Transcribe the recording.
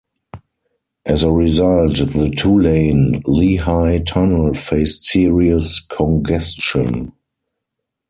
As a result, the two-lane Lehigh Tunnel faced serious congestion.